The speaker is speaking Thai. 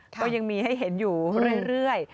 ก็ยังมีให้เห็นอยู่เรื่อย